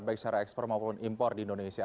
baik secara ekspor maupun impor di indonesia